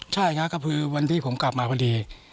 ใช่ครับก็คือวันที่ผมกลับมาพอดี